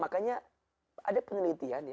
makanya ada penelitian ya